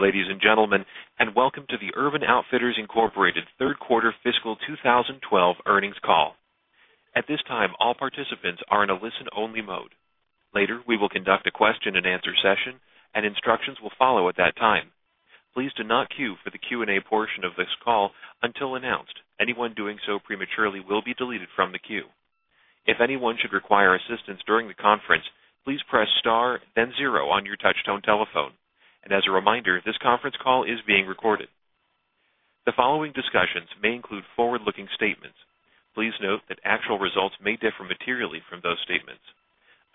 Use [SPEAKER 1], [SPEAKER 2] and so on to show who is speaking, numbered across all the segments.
[SPEAKER 1] Ladies and gentlemen, welcome to the Urban Outfitters, Inc. Third Quarter Fiscal 2012 Earnings Call. At this time, all participants are in a listen-only mode. Later, we will conduct a question and answer session, and instructions will follow at that time. Please do not queue for the Q&A portion of this call until announced. Anyone doing so prematurely will be deleted from the queue. If anyone should require assistance during the conference, please press star, then zero on your touch-tone telephone. As a reminder, this conference call is being recorded. The following discussions may include forward-looking statements. Please note that actual results may differ materially from those statements.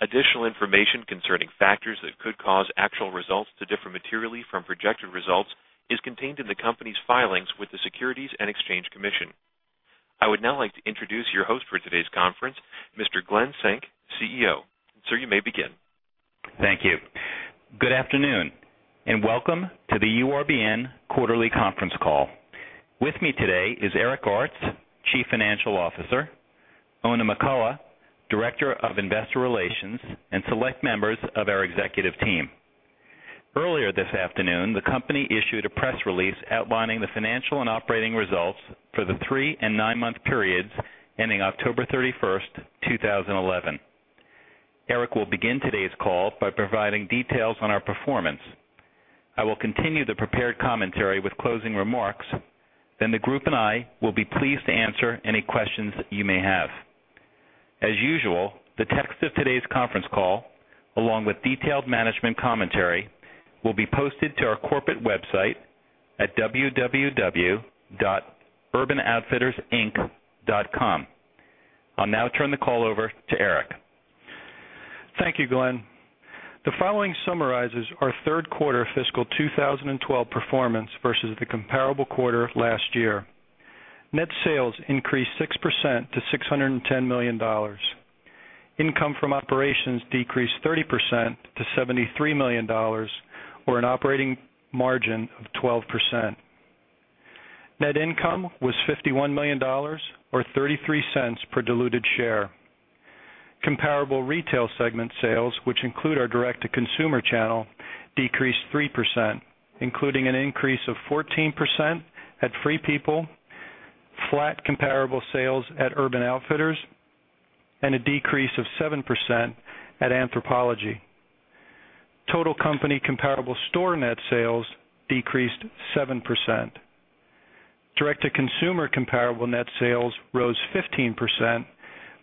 [SPEAKER 1] Additional information concerning factors that could cause actual results to differ materially from projected results is contained in the company's filings with the Securities and Exchange Commission. I would now like to introduce your host for today's conference, Mr. Glen Senk, CEO. Sir, you may begin.
[SPEAKER 2] Thank you. Good afternoon, and welcome to the URBN quarterly conference call. With me today is Eric Artz, Chief Financial Officer, Oona McCullough, Director of Investor Relations, and select members of our executive team. Earlier this afternoon, the company issued a press release outlining the financial and operating results for the three and nine-month periods ending October 31, 2011. Eric will begin today's call by providing details on our performance. I will continue the prepared commentary with closing remarks, then the group and I will be pleased to answer any questions you may have. As usual, the text of today's conference call, along with detailed management commentary, will be posted to our corporate website at www.urbanoutfittersinc.com. I'll now turn the call over to Eric.
[SPEAKER 3] Thank you, Glen. The following summarizes our third quarter fiscal 2012 performance versus the comparable quarter last year. Net sales increased 6% to $610 million. Income from operations decreased 30% to $73 million, or an operating margin of 12%. Net income was $51 million, or $0.33/diluted share. Comparable retail segment sales, which include our direct-to-consumer channel, decreased 3%, including an increase of 14% at Free People, flat comparable sales at Urban Outfitters, and a decrease of 7% at Anthropologie. Total company comparable store net sales decreased 7%. Direct-to-consumer comparable net sales rose 15%,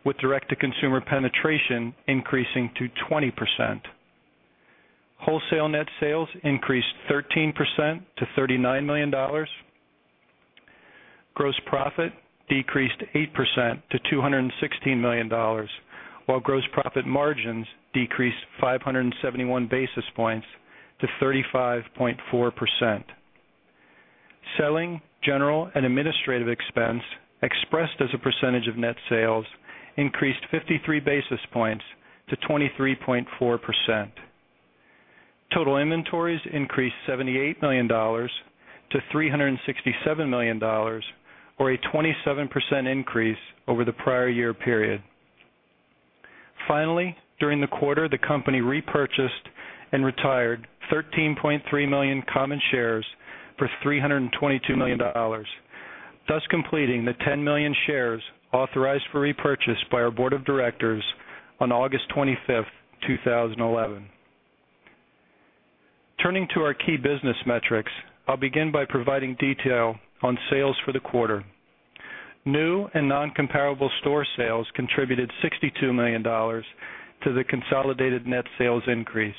[SPEAKER 3] with direct-to-consumer penetration increasing to 20%. Wholesale net sales increased 13% to $39 million. Gross profit decreased 8% to $216 million, while gross profit margins decreased 571 basis points to 35.4%. Selling, general and administrative expense, expressed as a percentage of net sales, increased 53 basis points to 23.4%. Total inventories increased $78 million-$367 million, or a 27% increase over the prior year period. Finally, during the quarter, the company repurchased and retired 13.3 million common shares for $322 million, thus completing the 10 million shares authorized for repurchase by our board of directors on August 25, 2011. Turning to our key business metrics, I'll begin by providing detail on sales for the quarter. New and non-comparable store sales contributed $62 million to the consolidated net sales increase.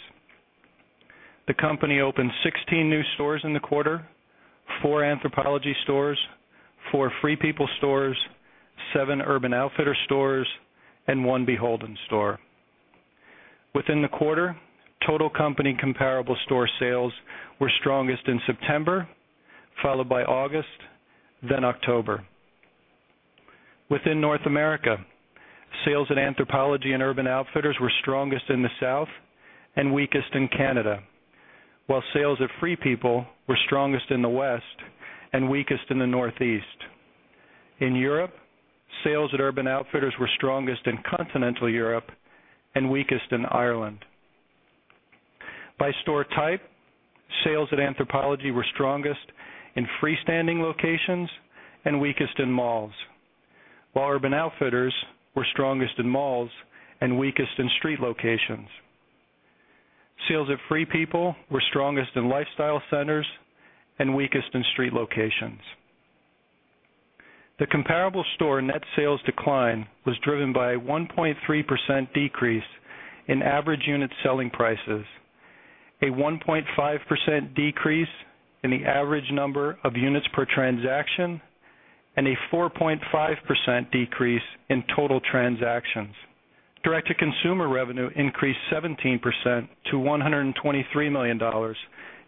[SPEAKER 3] The company opened 16 new stores in the quarter: four Anthropologie stores, four Free People stores, seven Urban Outfitters stores, and one Beholden store. Within the quarter, total company comparable store sales were strongest in September, followed by August, then October. Within North America, sales at Anthropologie and Urban Outfitters were strongest in the South and weakest in Canada, while sales at Free People were strongest in the West and weakest in the Northeast. In Europe, sales at Urban Outfitters were strongest in continental Europe and weakest in Ireland. By store type, sales at Anthropologie were strongest in freestanding locations and weakest in malls, while Urban Outfitters were strongest in malls and weakest in street locations. Sales at Free People were strongest in lifestyle centers and weakest in street locations. The comparable store net sales decline was driven by a 1.3% decrease in average unit selling prices, a 1.5% decrease in the average number of units per transaction, and a 4.5% decrease in total transactions. Direct-to-consumer revenue increased 17% to $123 million,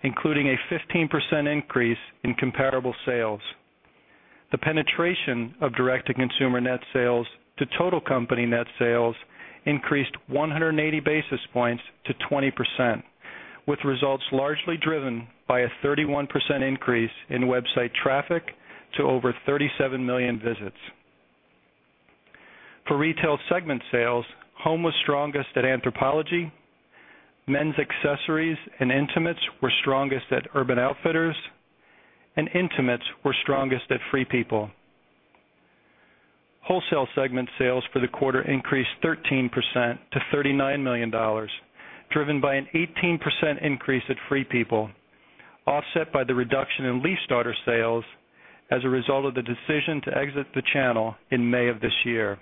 [SPEAKER 3] including a 15% increase in comparable sales. The penetration of direct-to-consumer net sales to total company net sales increased 180 basis points to 20%, with results largely driven by a 31% increase in website traffic to over 37 million visits. For retail segment sales, home was strongest at Anthropologie, men's accessories and intimates were strongest at Urban Outfitters, and intimates were strongest at Free People. Wholesale segment sales for the quarter increased 13% to $39 million, driven by an 18% increase at Free People, offset by the reduction in leaf starter sales as a result of the decision to exit the channel in May of this year.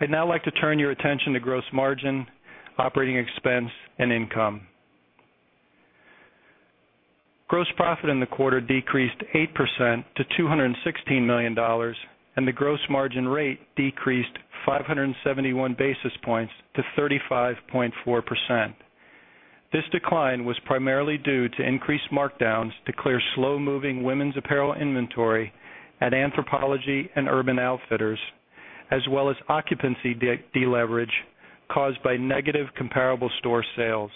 [SPEAKER 3] I'd now like to turn your attention to gross margin, operating expense, and income. Gross profit in the quarter decreased 8% to $216 million, and the gross margin rate decreased 571 basis points to 35.4%. This decline was primarily due to increased markdowns to clear slow-moving women's apparel inventory at Anthropologie and Urban Outfitters, as well as occupancy deleverage caused by negative comparable store sales.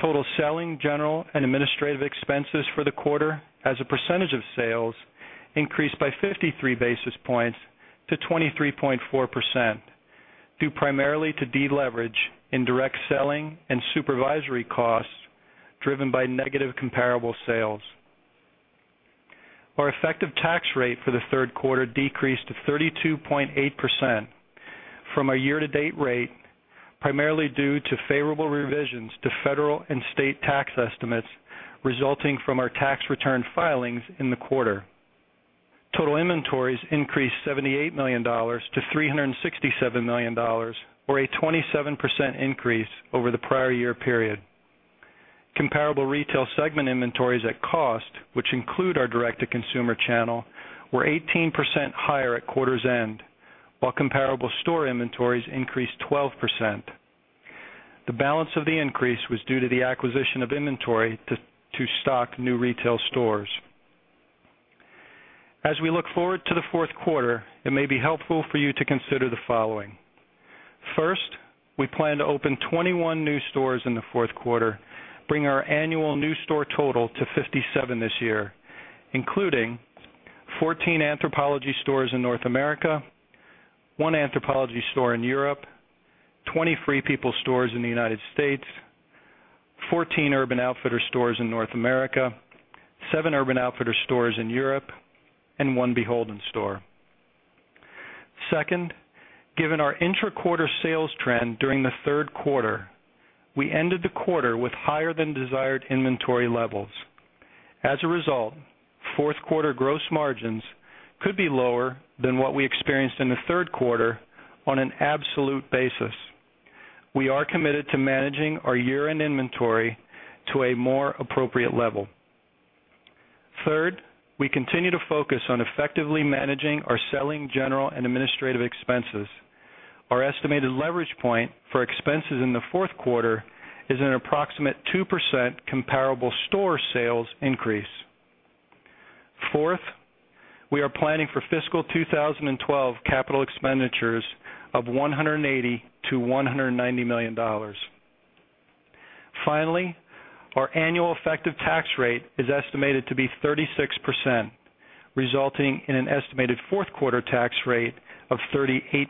[SPEAKER 3] Total selling, general, and administrative expenses for the quarter, as a percentage of sales, increased by 53 basis points to 23.4%, due primarily to deleverage in direct selling and supervisory costs driven by negative comparable sales. Our effective tax rate for the third quarter decreased to 32.8% from our year-to-date rate, primarily due to favorable revisions to federal and state tax estimates resulting from our tax return filings in the quarter. Total inventories increased $78 million-$367 million, or a 27% increase over the prior year period. Comparable retail segment inventories at cost, which include our direct-to-consumer channel, were 18% higher at quarter's end, while comparable store inventories increased 12%. The balance of the increase was due to the acquisition of inventory to stock new retail stores. As we look forward to the fourth quarter, it may be helpful for you to consider the following. First, we plan to open 21 new stores in the fourth quarter, bringing our annual new store total to 57 this year, including 14 Anthropologie stores in North America, 1 Anthropologie store in Europe, 20 Free People stores in the United States, 14 Urban Outfitters stores in North America, 7 Urban Outfitters stores in Europe, and 1 Beholden store. Second, given our intra-quarter sales trend during the third quarter, we ended the quarter with higher than desired inventory levels. As a result, fourth quarter gross margins could be lower than what we experienced in the third quarter on an absolute basis. We are committed to managing our year-end inventory to a more appropriate level. Third, we continue to focus on effectively managing our selling, general and administrative expenses. Our estimated leverage point for expenses in the fourth quarter is an approximate 2% comparable store sales increase. Fourth, we are planning for fiscal 2012 capital expenditures of $180 million-$190 million. Finally, our annual effective tax rate is estimated to be 36%, resulting in an estimated fourth quarter tax rate of 38%.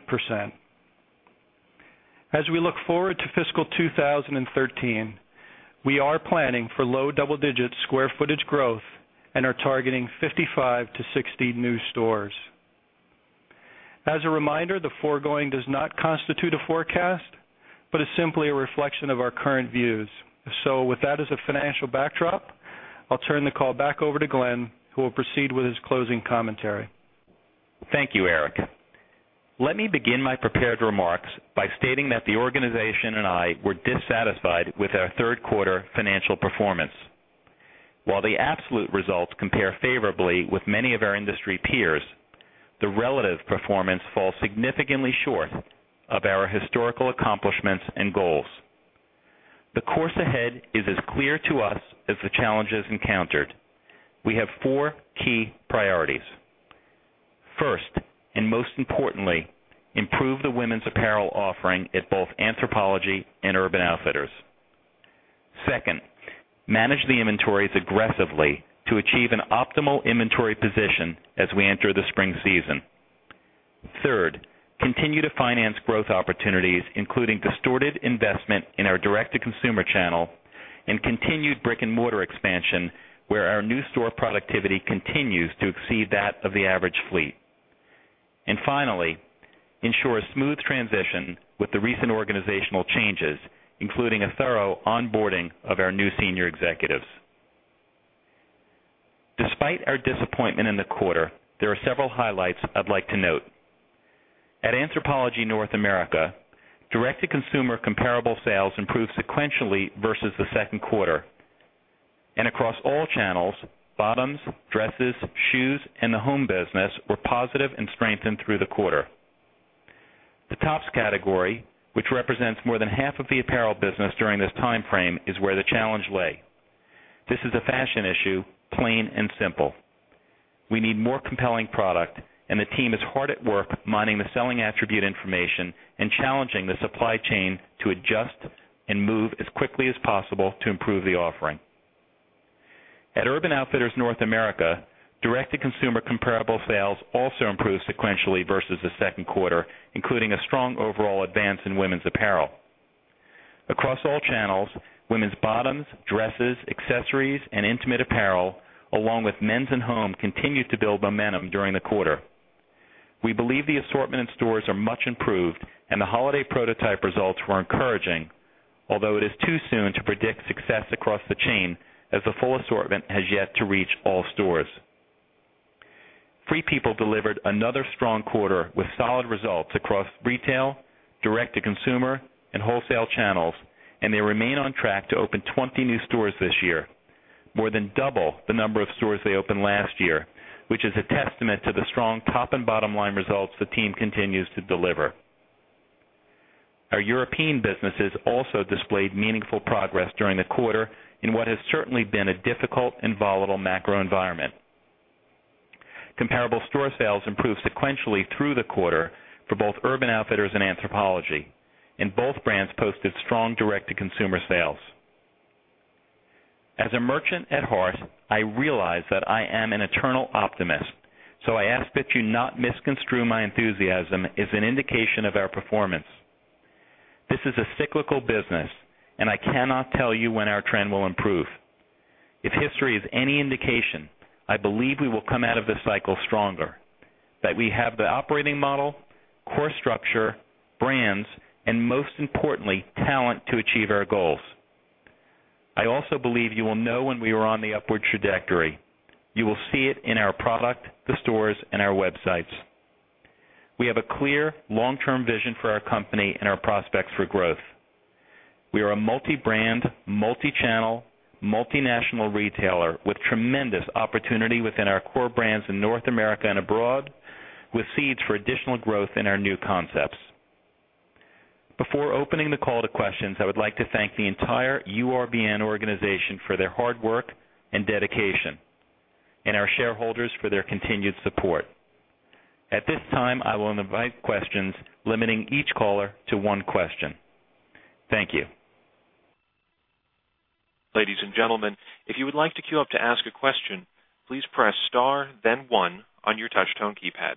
[SPEAKER 3] As we look forward to fiscal 2013, we are planning for low double-digit square footage growth and are targeting 55-60 new stores. As a reminder, the foregoing does not constitute a forecast but is simply a reflection of our current views. With that as a financial backdrop, I'll turn the call back over to Glen, who will proceed with his closing commentary.
[SPEAKER 2] Thank you, Eric. Let me begin my prepared remarks by stating that the organization and I were dissatisfied with our third quarter financial performance. While the absolute results compare favorably with many of our industry peers, the relative performance falls significantly short of our historical accomplishments and goals. The course ahead is as clear to us as the challenges encountered. We have four key priorities. First, and most importantly, improve the women's apparel offering at both Anthropologie and Urban Outfitters. Second, manage the inventories aggressively to achieve an optimal inventory position as we enter the spring season. Third, continue to finance growth opportunities, including distorted investment in our direct-to-consumer channel and continued brick-and-mortar expansion, where our new store productivity continues to exceed that of the average fleet. Finally, ensure a smooth transition with the recent organizational changes, including a thorough onboarding of our new senior executives. Despite our disappointment in the quarter, there are several highlights I'd like to note. At Anthropologie North America, direct-to-consumer comparable sales improved sequentially versus the second quarter, and across all channels, bottoms, dresses, shoes, and the home business were positive and strengthened through the quarter. The tops category, which represents more than half of the apparel business during this timeframe, is where the challenge lay. This is a fashion issue, plain and simple. We need more compelling product, and the team is hard at work mining the selling attribute information and challenging the supply chain to adjust and move as quickly as possible to improve the offering. At Urban Outfitters North America, direct-to-consumer comparable sales also improved sequentially versus the second quarter, including a strong overall advance in women's apparel. Across all channels, women's bottoms, dresses, accessories, and intimate apparel, along with men's and home, continued to build momentum during the quarter. We believe the assortment in stores are much improved, and the holiday prototype results were encouraging, although it is too soon to predict success across the chain as the full assortment has yet to reach all stores. Free People delivered another strong quarter with solid results across retail, direct-to-consumer, and wholesale channels, and they remain on track to open 20 new stores this year, more than double the number of stores they opened last year, which is a testament to the strong top and bottom line results the team continues to deliver. Our European businesses also displayed meaningful progress during the quarter in what has certainly been a difficult and volatile macro environment. Comparable store sales improved sequentially through the quarter for both Urban Outfitters and Anthropologie, and both brands posted strong direct-to-consumer sales. As a merchant at heart, I realize that I am an eternal optimist, so I ask that you not misconstrue my enthusiasm as an indication of our performance. This is a cyclical business, and I cannot tell you when our trend will improve. If history is any indication, I believe we will come out of this cycle stronger, that we have the operating model, core structure, brands, and most importantly, talent to achieve our goals. I also believe you will know when we are on the upward trajectory. You will see it in our product, the stores, and our websites. We have a clear long-term vision for our company and our prospects for growth. We are a multi-brand, multi-channel, multinational retailer with tremendous opportunity within our core brands in North America and abroad, with seeds for additional growth in our new concepts. Before opening the call to questions, I would like to thank the entire URBN organization for their hard work and dedication, and our shareholders for their continued support. At this time, I will invite questions, limiting each caller to one question. Thank you.
[SPEAKER 1] Ladies and gentlemen, if you would like to queue up to ask a question, please press star, then one on your touch-tone keypad.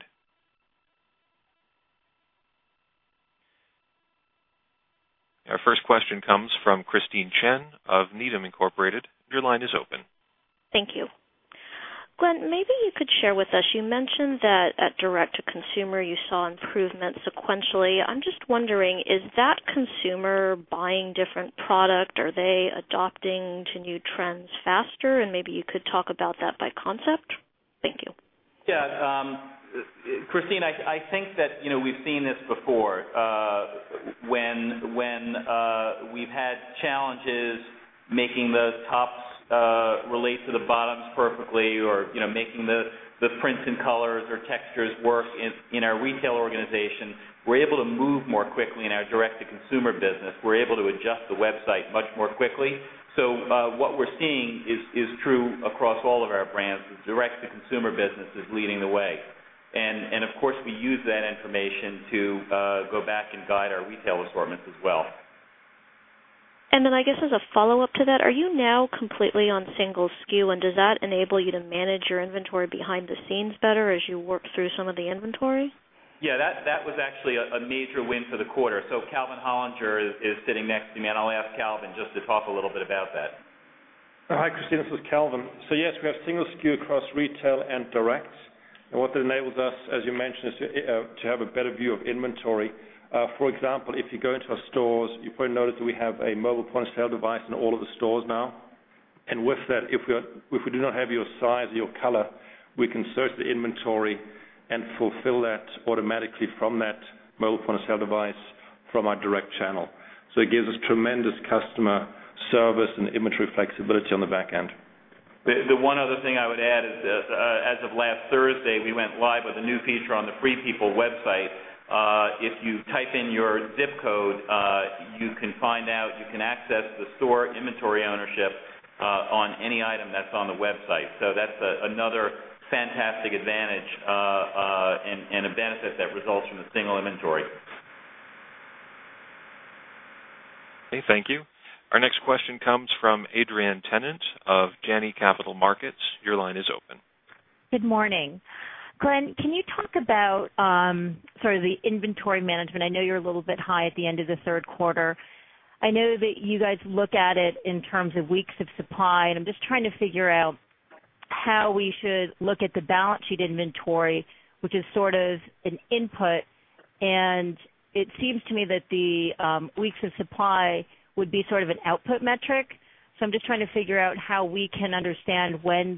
[SPEAKER 1] Our first question comes from Christine Chen of Needham Incorporated. Your line is open.
[SPEAKER 4] Thank you. Glen, maybe you could share with us. You mentioned that at direct-to-consumer, you saw improvements sequentially. I'm just wondering, is that consumer buying different product? Are they adopting to new trends faster? Maybe you could talk about that by concept. Thank you.
[SPEAKER 2] Yeah. Christine, I think that, you know, we've seen this before. When we've had challenges making the tops relate to the bottoms perfectly or, you know, making the prints and colors or textures work in our retail organization, we're able to move more quickly in our direct-to-consumer business. We're able to adjust the website much more quickly. What we're seeing is true across all of our brands. The direct-to-consumer business is leading the way. Of course, we use that information to go back and guide our retail assortments as well.
[SPEAKER 4] I guess as a follow-up to that, are you now completely on single-SKU, and does that enable you to manage your inventory behind the scenes better as you work through some of the inventory?
[SPEAKER 2] Yeah, that was actually a major win for the quarter. Calvin Hollinger is sitting next to me, and I'll ask Calvin just to talk a little bit about that.
[SPEAKER 5] Hi, Christine. This is Calvin. Yes, we have single-SKU across retail and direct. What that enables us, as you mentioned, is to have a better view of inventory. For example, if you go into our stores, you probably noticed that we have a mobile point-of-sale device in all of the stores now. With that, if we do not have your size or your color, we can search the inventory and fulfill that automatically from that mobile point-of-sale device from our direct channel. It gives us tremendous customer service and inventory flexibility on the back end.
[SPEAKER 2] The one other thing I would add is that as of last Thursday, we went live with a new feature on the Free People website. If you type in your zip code, you can find out you can access the store inventory ownership on any item that's on the website. That's another fantastic advantage and a benefit that results from the single inventory.
[SPEAKER 1] Thank you. Our next question comes from Adrienne Tennant of Janney Capital Markets. Your line is open.
[SPEAKER 6] Good morning. Glen, can you talk about sort of the inventory management? I know you're a little bit high at the end of the third quarter. I know that you guys look at it in terms of weeks of supply, and I'm just trying to figure out how we should look at the balance sheet inventory, which is sort of an input. It seems to me that the weeks of supply would be sort of an output metric. I'm just trying to figure out how we can understand when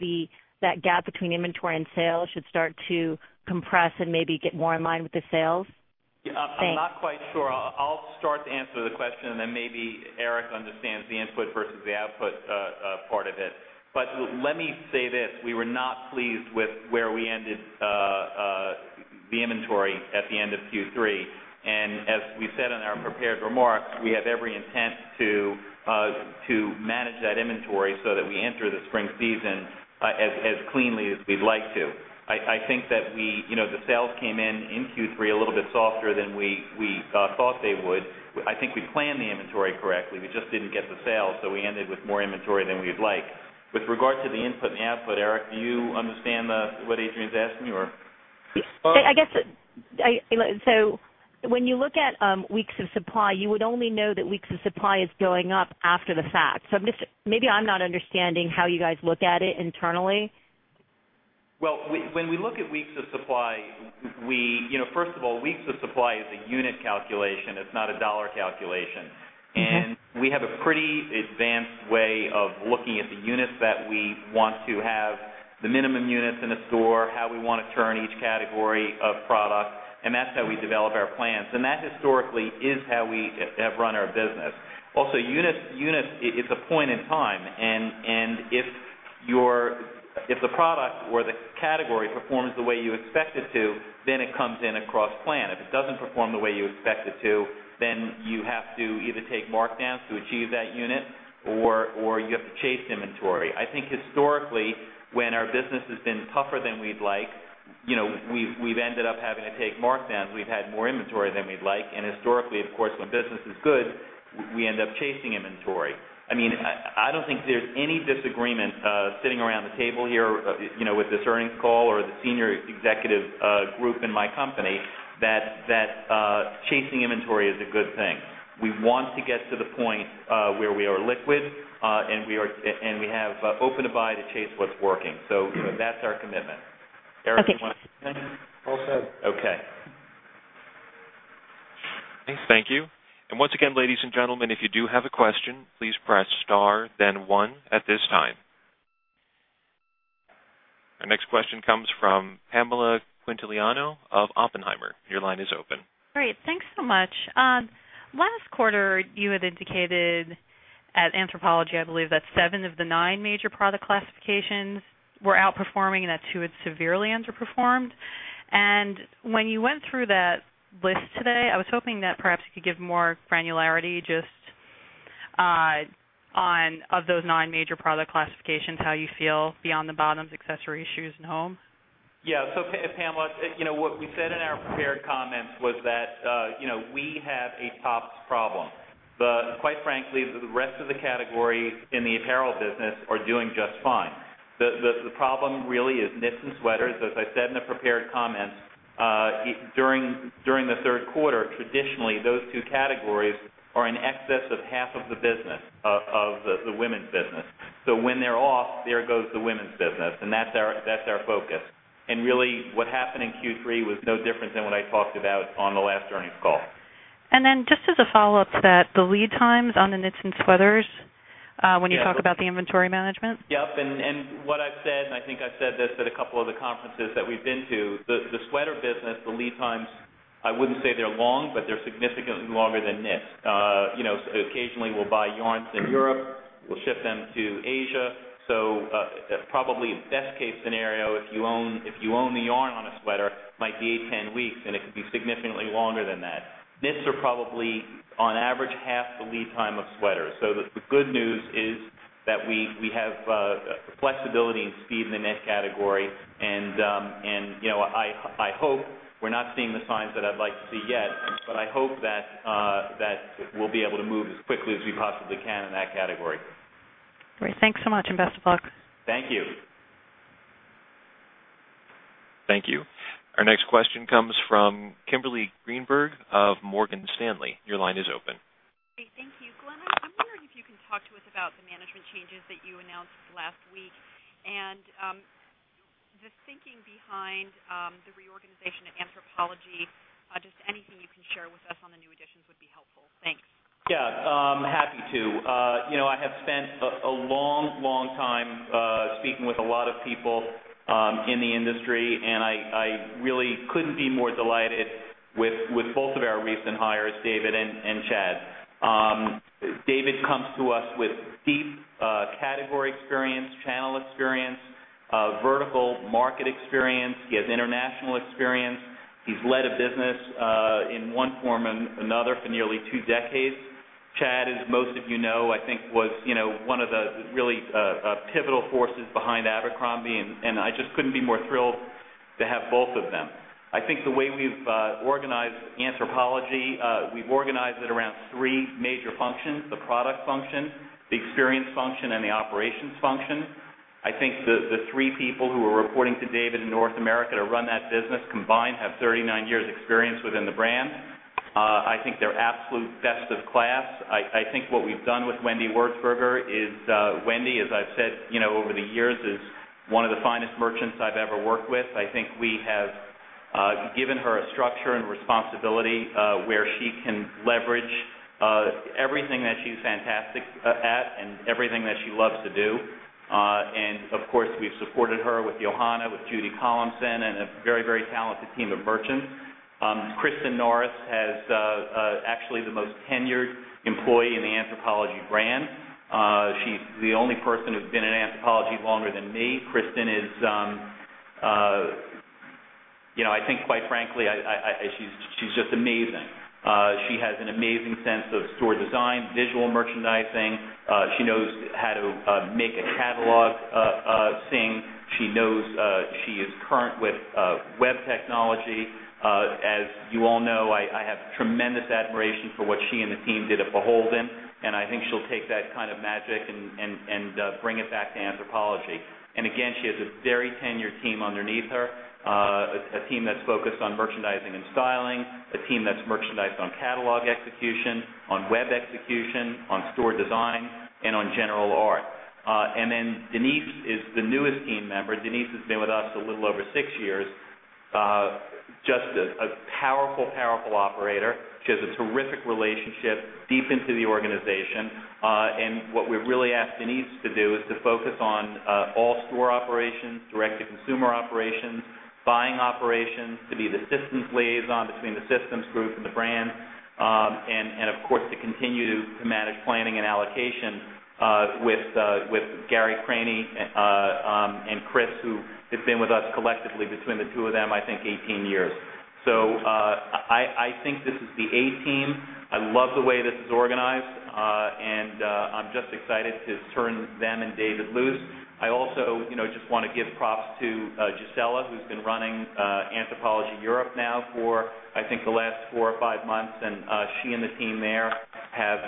[SPEAKER 6] that gap between inventory and sales should start to compress and maybe get more in line with the sales.
[SPEAKER 2] I'm not quite sure. I'll start to answer the question, and then maybe Eric understands the input versus the output part of it. Let me say this. We were not pleased with where we ended the inventory at the end of Q3. As we said in our prepared remarks, we have every intent to manage that inventory so that we enter the spring season as cleanly as we'd like to. I think that the sales came in in Q3 a little bit softer than we thought they would. I think we planned the inventory correctly. We just didn't get the sales, so we ended with more inventory than we'd like. With regard to the input and output, Eric, do you understand what Adrienne's asking you, or?
[SPEAKER 6] I guess, when you look at weeks of supply, you would only know that weeks of supply is going up after the fact. I'm just, maybe I'm not understanding how you guys look at it internally.
[SPEAKER 2] When we look at weeks of supply, weeks of supply is a unit calculation. It's not a dollar calculation. We have a pretty advanced way of looking at the units that we want to have, the minimum units in a store, how we want to turn each category of product, and that's how we develop our plans. That historically is how we have run our business. Also, units, it's a point in time. If the product or the category performs the way you expect it to, then it comes in across plan. If it doesn't perform the way you expect it to, then you have to either take markdowns to achieve that unit, or you have to chase inventory. I think historically, when our business has been tougher than we'd like, we've ended up having to take markdowns. We've had more inventory than we'd like. Historically, of course, when business is good, we end up chasing inventory. I don't think there's any disagreement sitting around the table here with this earnings call or the Senior Executive group in my company that chasing inventory is a good thing. We want to get to the point where we are liquid and we have open to buy to chase what's working. That's our commitment. Eric, you want to?
[SPEAKER 3] I think that's all set.
[SPEAKER 2] Okay.
[SPEAKER 1] Thank you. Thank you. Once again, ladies and gentlemen, if you do have a question, please press star, then one at this time. Our next question comes from Pamela Quintiliano of Oppenheimer. Your line is open.
[SPEAKER 7] Great. Thanks so much. Last quarter, you had indicated at Anthropologie, I believe, that seven of the nine major product classifications were outperforming and that two had severely underperformed. When you went through that list today, I was hoping that perhaps you could give more granularity just on those nine major product classifications, how you feel beyond the bottoms, accessories, shoes, and home.
[SPEAKER 2] Yeah. Pamela, what we said in our prepared comments was that we have a tops problem. Quite frankly, the rest of the categories in the apparel business are doing just fine. The problem really is knits and sweaters. As I said in the prepared comments, during the third quarter, traditionally, those two categories are in excess of half of the business of the women's business. When they're off, there goes the women's business. That's our focus. What happened in Q3 was no different than what I talked about on the last earnings call.
[SPEAKER 7] Just as a follow-up to that, the lead times on the knits and sweaters when you talk about the inventory management.
[SPEAKER 2] Yep. What I've said, and I think I've said this at a couple of the conferences that we've been to, the sweater business, the lead times, I wouldn't say they're long, but they're significantly longer than knits. Occasionally, we'll buy yarn in Europe. We'll ship them to Asia. Probably the best-case scenario, if you own the yarn on a sweater, might be eight, ten weeks, and it could be significantly longer than that. Knits are probably, on average, half the lead time of sweaters. The good news is that we have flexibility and speed in the knit category. I hope we're not seeing the signs that I'd like to see yet, but I hope that we'll be able to move as quickly as we possibly can in that category.
[SPEAKER 7] Great, thanks so much, and best of luck.
[SPEAKER 2] Thank you.
[SPEAKER 1] Thank you. Our next question comes from Kimberly Greenberger of Morgan Stanley. Your line is open.
[SPEAKER 8] Great. Thank you. Glen, I'm wondering if you can talk to us about the management changes that you announced last week and the thinking behind the reorganization at Anthropologie. Anything you can share with us on the new additions would be helpful. Thanks.
[SPEAKER 2] Yeah, happy to. I have spent a long, long time speaking with a lot of people in the industry, and I really couldn't be more delighted with both of our recent hires, David and Chad. David comes to us with deep category experience, channel experience, vertical market experience. He has international experience. He's led a business in one form or another for nearly two decades. Chad, as most of you know, I think was one of the really pivotal forces behind Abercrombie, and I just couldn't be more thrilled to have both of them. I think the way we've organized Anthropologie, we've organized it around three major functions: the product function, the experience function, and the operations function. I think the three people who are reporting to David in North America to run that business combined have 39 years' experience within the brand. I think they're absolute best of class. I think what we've done with Wendy Wertzberger is, Wendy, as I've said over the years, is one of the finest merchants I've ever worked with. I think we have given her a structure and responsibility where she can leverage everything that she's fantastic at and everything that she loves to do. Of course, we've supported her with Johanna, with Judy Collinson, and a very, very talented team of merchants. Kristen Norris is actually the most tenured employee in the Anthropologie brand. She's the only person who's been in Anthropologie longer than me. Kristen is, I think quite frankly, she's just amazing. She has an amazing sense of store design, visual merchandising. She knows how to make a catalog sing. She knows she is current with web technology. As you all know, I have tremendous admiration for what she and the team did at Beholden, and I think she'll take that kind of magic and bring it back to Anthropologie. She has a very tenured team underneath her, a team that's focused on merchandising and styling, a team that's merchandised on catalog execution, on web execution, on store design, and on general art. Denise is the newest team member. Denise has been with us a little over six years, just a powerful, powerful operator. She has a terrific relationship deep into the organization. What we've really asked Denise to do is to focus on all store operations, direct-to-consumer operations, buying operations, to be the systems liaison between the systems group and the brand, and of course, to continue to manage planning and allocation with Gary Craney and Chris, who have been with us collectively between the two of them, I think, 18 years. I think this is the A team. I love the way this is organized, and I'm just excited to turn them and David loose. I also just want to give props to Gisella, who's been running Anthropologie Europe now for, I think, the last four or five months. She and the team there have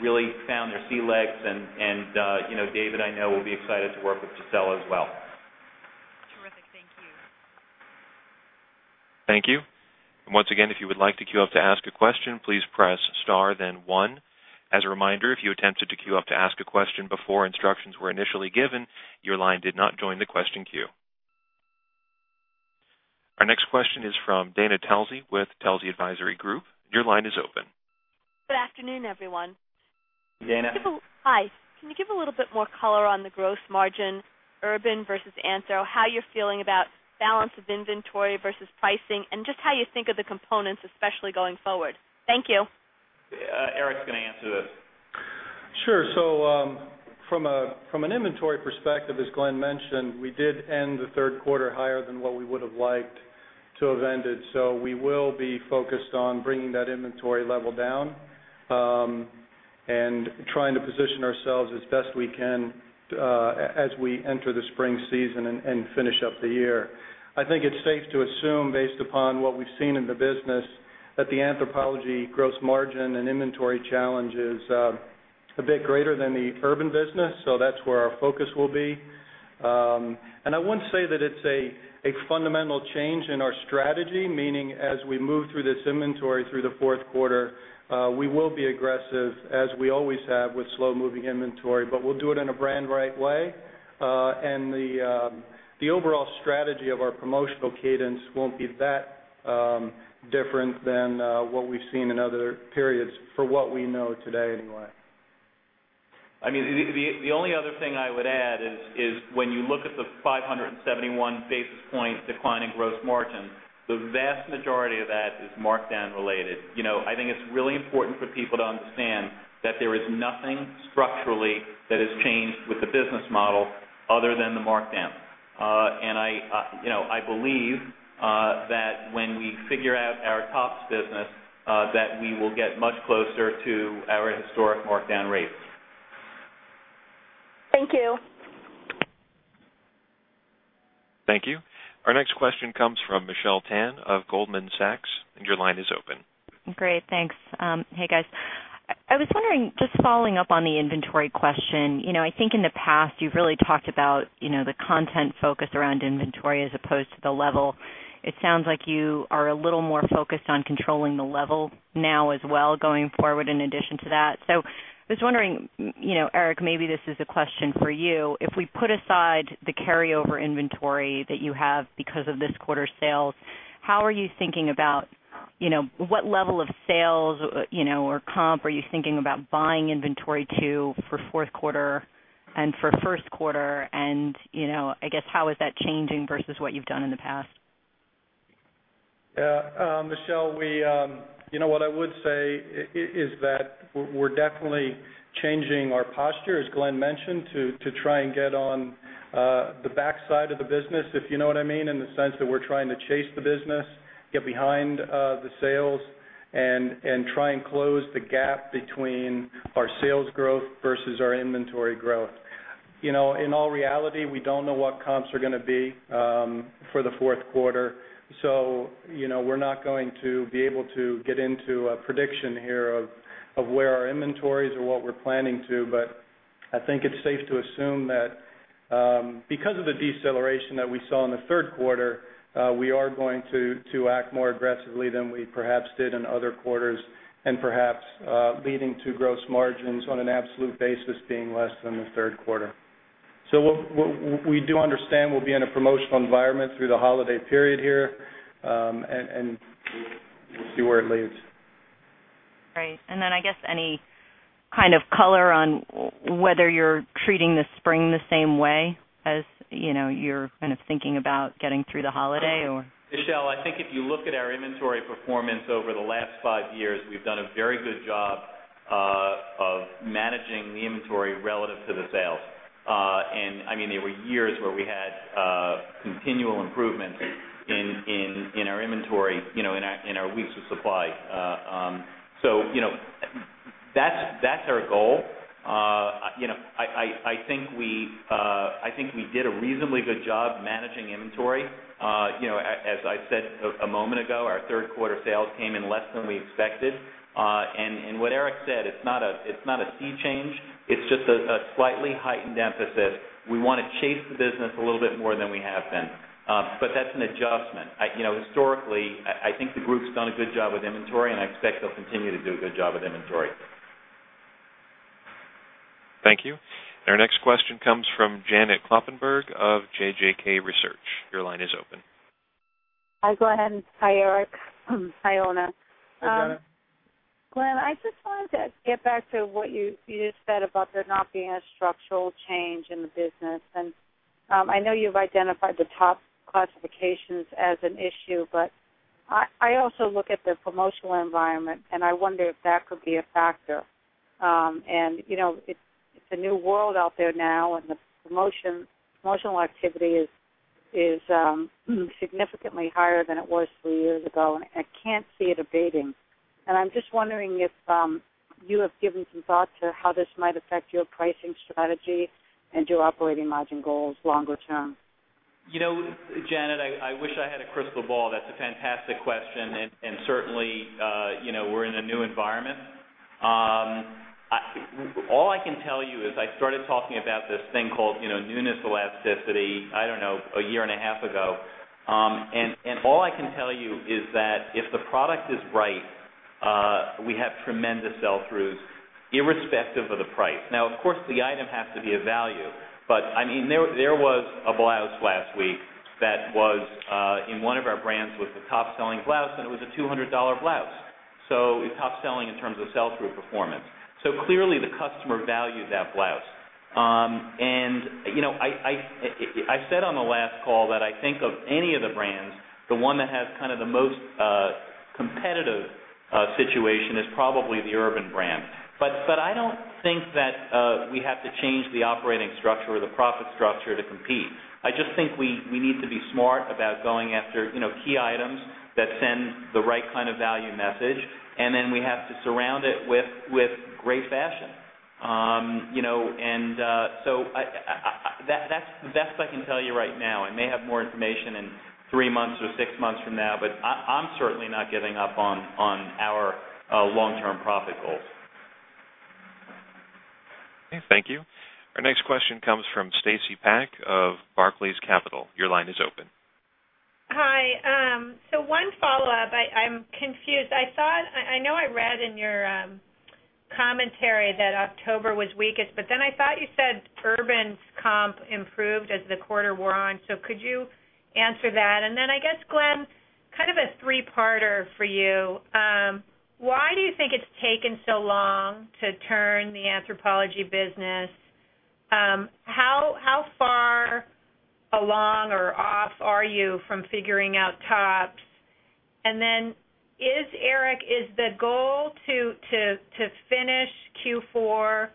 [SPEAKER 2] really found their sea legs. David, I know, will be excited to work with Gisella as well.
[SPEAKER 8] Terrific. Thank you.
[SPEAKER 1] Thank you. If you would like to queue up to ask a question, please press star, then one. As a reminder, if you attempted to queue up to ask a question before instructions were initially given, your line did not join the question queue. Our next question is from Dana Telsey with Telsey Advisory Group. Your line is open.
[SPEAKER 9] Good afternoon, everyone.
[SPEAKER 2] Dana.
[SPEAKER 9] Hi. Can you give a little bit more color on the gross margin Urban versus Anthro, how you're feeling about balance of inventory versus pricing, and just how you think of the components, especially going forward? Thank you.
[SPEAKER 2] Eric is going to answer this.
[SPEAKER 3] Sure. From an inventory perspective, as Glen mentioned, we did end the third quarter higher than what we would have liked to have ended. We will be focused on bringing that inventory level down and trying to position ourselves as best we can as we enter the spring season and finish up the year. I think it's safe to assume, based upon what we've seen in the business, that the Anthropologie gross margin and inventory challenge is a bit greater than the Urban Outfitters business. That's where our focus will be. I wouldn't say that it's a fundamental change in our strategy, meaning as we move through this inventory through the fourth quarter, we will be aggressive, as we always have with slow-moving inventory, but we'll do it in a brand-right way. The overall strategy of our promotional cadence won't be that different than what we've seen in other periods, for what we know today anyway.
[SPEAKER 2] I mean, the only other thing I would add is when you look at the 571 basis point decline in gross margin, the vast majority of that is markdown related. I think it's really important for people to understand that there is nothing structurally that has changed with the business model other than the markdown. I believe that when we figure out our tops business, that we will get much closer to our historic markdown rates.
[SPEAKER 9] Thank you.
[SPEAKER 1] Thank you. Our next question comes from Michelle Tan of Goldman Sachs, and your line is open.
[SPEAKER 10] Great. Thanks. Hey, guys. I was wondering, just following up on the inventory question, I think in the past, you've really talked about the content focus around inventory as opposed to the level. It sounds like you are a little more focused on controlling the level now as well, going forward in addition to that. I was wondering, Eric, maybe this is a question for you. If we put aside the carryover inventory that you have because of this quarter's sales, how are you thinking about what level of sales or comp are you thinking about buying inventory to for fourth quarter and for first quarter? I guess how is that changing versus what you've done in the past?
[SPEAKER 3] Yeah. Michelle, we, you know, what I would say is that we're definitely changing our posture, as Glen mentioned, to try and get on the backside of the business, if you know what I mean, in the sense that we're trying to chase the business, get behind the sales, and try and close the gap between our sales growth versus our inventory growth. In all reality, we don't know what comps are going to be for the fourth quarter. We're not going to be able to get into a prediction here of where our inventories are or what we're planning to, but I think it's safe to assume that because of the deceleration that we saw in the third quarter, we are going to act more aggressively than we perhaps did in other quarters, and perhaps leading to gross margins on an absolute basis being less than the third quarter. We do understand we'll be in a promotional environment through the holiday period here and see where it leads.
[SPEAKER 10] Right. I guess any kind of color on whether you're treating the spring the same way as, you know, you're kind of thinking about getting through the holiday, or?
[SPEAKER 2] Michelle, I think if you look at our inventory performance over the last five years, we've done a very good job of managing the inventory relative to the sales. There were years where we had continual improvements in our inventory, in our weeks of supply. That's our goal. I think we did a reasonably good job managing inventory. As I said a moment ago, our third quarter sales came in less than we expected. What Eric said, it's not a sea change. It's just a slightly heightened emphasis. We want to chase the business a little bit more than we have been. That's an adjustment. Historically, I think the group's done a good job with inventory, and I expect they'll continue to do a good job with inventory.
[SPEAKER 1] Thank you. Our next question comes from Janet Kloppenburg of JJK Research. Your line is open.
[SPEAKER 11] Hi, Glen, and hi, Eric. Hi, Oona.
[SPEAKER 2] Hi.
[SPEAKER 11] Glen, I just wanted to get back to what you just said about there not being a structural change in the business. I know you've identified the top classifications as an issue, but I also look at the promotional environment and I wonder if that could be a factor. It's a new world out there now, and the promotional activity is significantly higher than it was three years ago. I can't see it abating. I'm just wondering if you have given some thought to how this might affect your pricing strategy and your operating margin goals longer term.
[SPEAKER 2] You know, Janet, I wish I had a crystal ball. That's a fantastic question. Certainly, we're in a new environment. All I can tell you is I started talking about this thing called, you know, newness, elasticity, I don't know, a year and a half ago. All I can tell you is that if the product is right, we have tremendous sell-throughs irrespective of the price. Now, of course, the item has to be of value. I mean, there was a blouse last week that was in one of our brands, was the top-selling blouse, and it was a $200 blouse. It's top-selling in terms of sell-through performance. Clearly, the customer valued that blouse. I've said on the last call that I think of any of the brands, the one that has kind of the most competitive situation is probably the Urban Outfitters brand. I don't think that we have to change the operating structure or the profit structure to compete. I just think we need to be smart about going after key items that send the right kind of value message, and then we have to surround it with great fashion. That's the best I can tell you right now. I may have more information in three months to six months from now, but I'm certainly not giving up on our long-term profit goals.
[SPEAKER 1] Okay. Thank you. Our next question comes from Stacy Pak of Barclays Capital. Your line is open.
[SPEAKER 12] Hi. One follow-up. I'm confused. I thought I know I read in your commentary that October was weakest, but then I thought you said Urban's comp improved as the quarter wore on. Could you answer that? I guess, Glen, kind of a three-parter for you. Why do you think it's taken so long to turn the Anthropologie business? How far along or off are you from figuring out tops? Eric, is the goal to finish Q4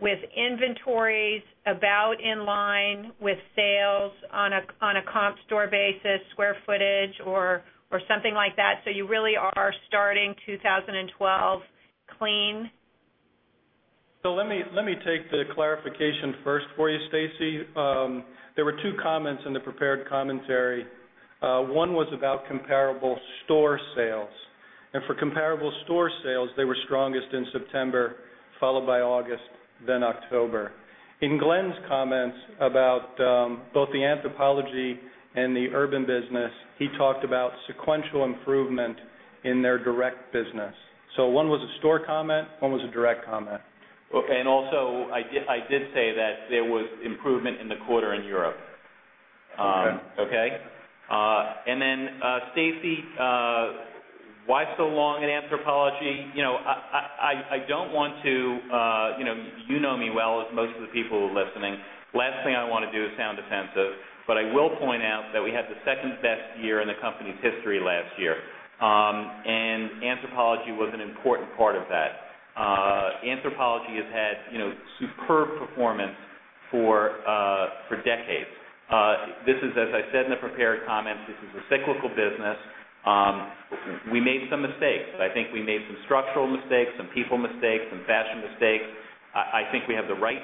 [SPEAKER 12] with inventories about in line with sales on a comp store basis, square footage, or something like that? You really are starting 2012 clean?
[SPEAKER 3] Let me take the clarification first for you, Stacy. There were two comments in the prepared commentary. One was about comparable store sales. For comparable store sales, they were strongest in September, followed by August, then October. In Glen's comments about both the Anthropologie and the Urban Outfitters business, he talked about sequential improvement in their direct business. One was a store comment, one was a direct comment.
[SPEAKER 2] I did say that there was improvement in the quarter in Europe. Stacy, why so long at Anthropologie? I don't want to, you know me well as most of the people who are listening. The last thing I want to do is sound defensive, but I will point out that we had the second-best year in the company's history last year. Anthropologie was an important part of that. Anthropologie has had superb performance for decades. This is, as I said in the prepared comments, a cyclical business. We made some mistakes. I think we made some structural mistakes, some people mistakes, some fashion mistakes. I think we have the right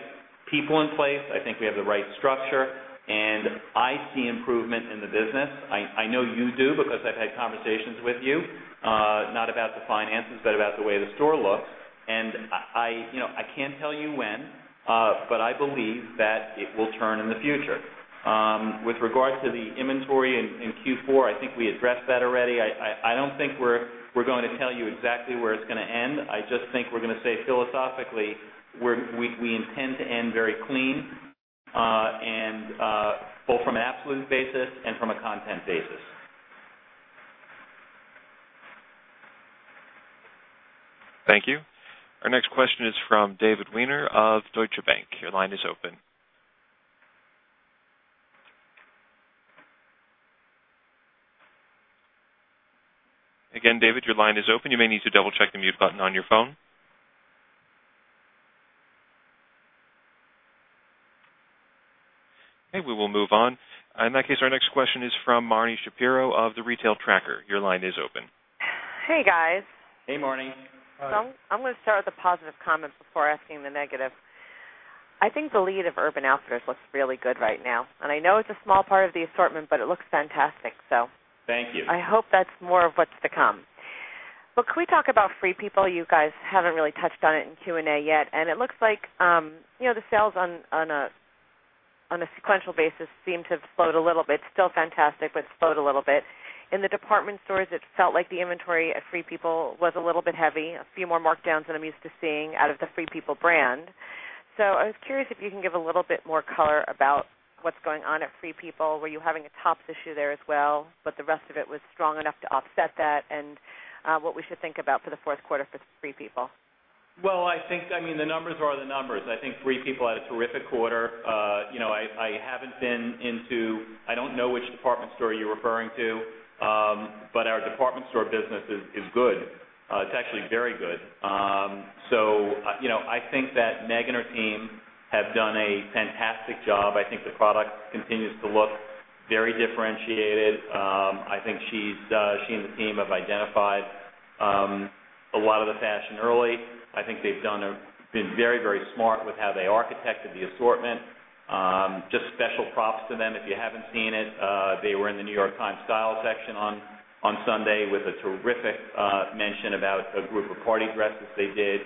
[SPEAKER 2] people in place. I think we have the right structure. I see improvement in the business. I know you do because I've had conversations with you, not about the finances, but about the way the store looks. I can't tell you when, but I believe that it will turn in the future. With regard to the inventory in Q4, I think we addressed that already. I don't think we're going to tell you exactly where it's going to end. I just think we're going to say philosophically, we intend to end very clean, both from an absolute basis and from a content basis.
[SPEAKER 1] Thank you. Our next question is from David Wiener of Deutsche Bank. Your line is open. Again, David, your line is open. You may need to double-check the mute button on your phone. Okay, we will move on. In that case, our next question is from Marni Shapiro of The Retail Tracker. Your line is open.
[SPEAKER 13] Hey, guys.
[SPEAKER 2] Hey, Marni.
[SPEAKER 13] I'm going to start with the positive comments before asking the negative. I think the lead of Urban Outfitters looks really good right now. I know it's a small part of the assortment, but it looks fantastic.
[SPEAKER 2] Thank you.
[SPEAKER 13] I hope that's more of what's to come. Can we talk about Free People? You guys haven't really touched on it in Q&A yet. It looks like, you know, the sales on a sequential basis seem to have slowed a little bit. It's still fantastic, but it's slowed a little bit. In the department stores, it felt like the inventory at Free People was a little bit heavy, a few more markdowns than I'm used to seeing out of the Free People brand. I was curious if you can give a little bit more color about what's going on at Free People. Were you having a tops issue there as well, but the rest of it was strong enough to offset that? What should we think about for the fourth quarter for Free People?
[SPEAKER 2] I think, I mean, the numbers are the numbers. I think Free People had a terrific quarter. I haven't been into, I don't know which department store you're referring to, but our department store business is good. It's actually very good. I think that Megan and her team have done a fantastic job. I think the product continues to look very differentiated. I think she and the team have identified a lot of the fashion early. I think they've done very, very smart with how they architected the assortment. Just special props to them. If you haven't seen it, they were in The New York Times style section on Sunday with a terrific mention about a group of party dresses they did,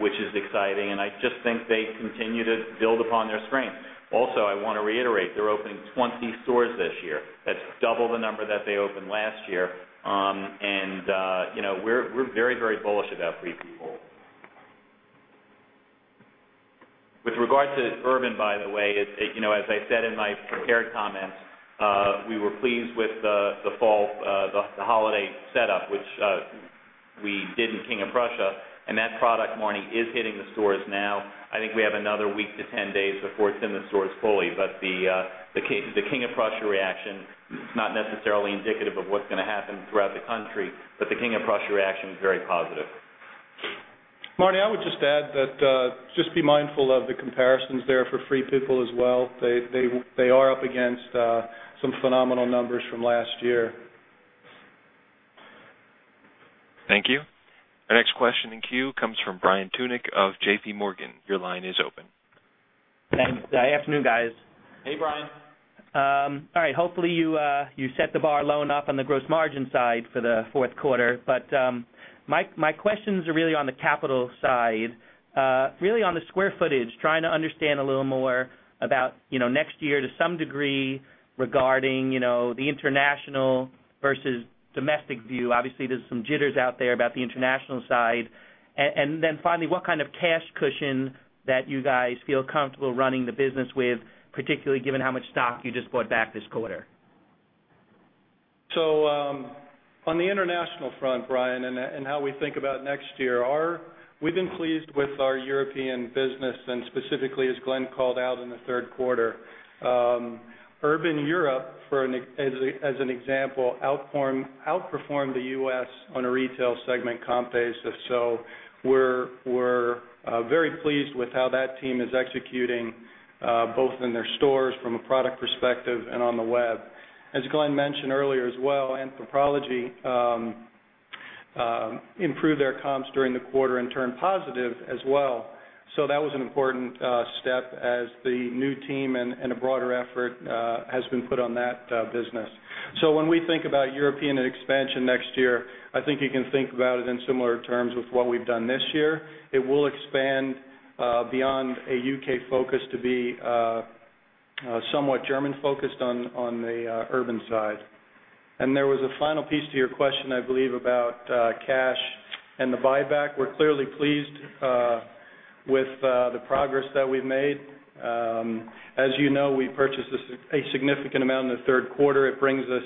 [SPEAKER 2] which is exciting. I just think they continue to build upon their strength. Also, I want to reiterate, they're opening 20 stores this year. That's double the number that they opened last year. We're very, very bullish about Free People. With regard to Urban, by the way, as I said in my prepared comments, we were pleased with the fall, the holiday setup, which we did in King of Prussia. That product, Marnie, is hitting the stores now. I think we have another week to 10 days before it's in the stores fully. The King of Prussia reaction, it's not necessarily indicative of what's going to happen throughout the country, but the King of Prussia reaction, very positive.
[SPEAKER 3] Marni, I would just add that just be mindful of the comparisons there for Free People as well. They are up against some phenomenal numbers from last year.
[SPEAKER 1] Thank you. Our next question in queue comes from Brian Tunick of JPMorgan. Your line is open.
[SPEAKER 14] Good afternoon, guys.
[SPEAKER 2] Hey, Brian.
[SPEAKER 14] All right. Hopefully, you set the bar low enough on the gross margin side for the fourth quarter. My questions are really on the capital side, really on the square footage, trying to understand a little more about, you know, next year to some degree regarding, you know, the international versus domestic view. Obviously, there's some jitters out there about the international side. Finally, what kind of cash cushion that you guys feel comfortable running the business with, particularly given how much stock you just bought back this quarter?
[SPEAKER 3] On the international front, Brian, and how we think about next year, we've been pleased with our European business, and specifically, as Glen called out in the third quarter. Urban Europe, as an example, outperformed the U.S. on a retail segment comp basis. We're very pleased with how that team is executing both in their stores from a product perspective and on the web. As Glen mentioned earlier as well, Anthropologie improved their comps during the quarter and turned positive as well. That was an important step as the new team and a broader effort has been put on that business. When we think about European expansion next year, I think you can think about it in similar terms with what we've done this year. It will expand beyond a U.K. focus to be somewhat German-focused on the Urban side. There was a final piece to your question, I believe, about cash and the buyback. We're clearly pleased with the progress that we've made. As you know, we purchased a significant amount in the third quarter. It brings us